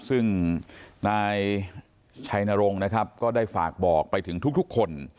ซึ่งนายชัยนรงค์นะครับก็ได้ฝากบอกไปถึงทุกคน